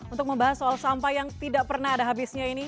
untuk membahas soal sampah yang tidak pernah ada habisnya ini